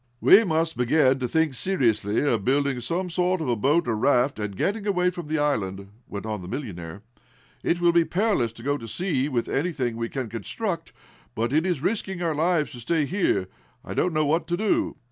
"We must begin to think seriously of building some sort of a boat or raft, and getting away from the island," went on the millionaire. "It will be perilous to go to sea with anything we can construct, but it is risking our lives to stay here. I don't know what to do."